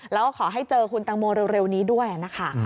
แล้วก็ขอให้เจอคุณตังโมเร็วนี้ด้วยนะคะ